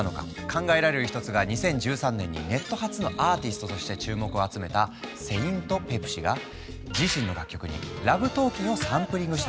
考えられる一つが２０１３年にネット発のアーティストとして注目を集めたセイント・ペプシが自身の楽曲に「ＬＯＶＥＴＡＬＫＩＮ’」をサンプリングしたこと。